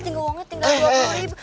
tinggal uangnya tinggal dua puluh ribu